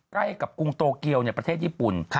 ใกล้กับกรุงโตเกียวประเทศญี่ปุ่น